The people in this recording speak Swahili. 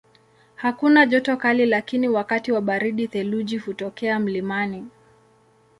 Hakuna joto kali lakini wakati wa baridi theluji hutokea mlimani.